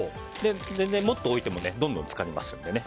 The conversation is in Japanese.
全然、もっと置いてもどんどん漬かりますのでね。